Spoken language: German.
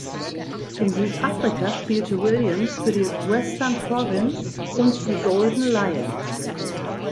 In Südafrika spielte Williams für die Western Province und die Golden Lions.